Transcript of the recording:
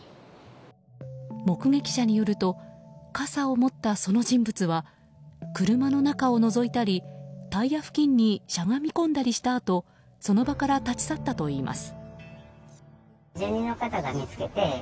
目撃者によると傘を持った、その人物は車の中をのぞいたりタイヤ付近にしゃがみ込んだりしたあとその場から立ち去ったといいます。